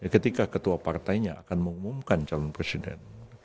ketika ketua partainya akan mengumumkan calon presiden